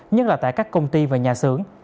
nhất là tại các công ty và nhà xưởng